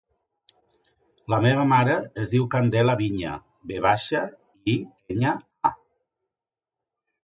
La meva mare es diu Candela Viña: ve baixa, i, enya, a.